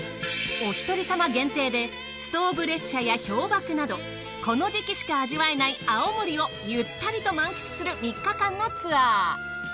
おひとり様限定でストーブ列車や氷瀑などこの時期しか味わえない青森をゆったりと満喫する３日間のツアー。